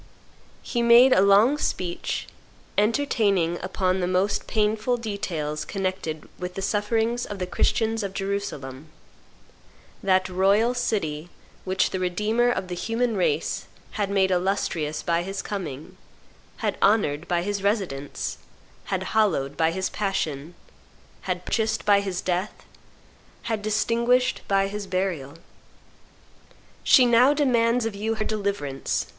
He made a long speech, entertaining upon the most painful details connected with the sufferings of the Christians of Jerusalem, "that royal city which the Redeemer of the human race had made illustrious by His coming, had honored by His residence, had hallowed by His passion, had purchased by His death, had distinguished by His burial. She now demands of you her deliverance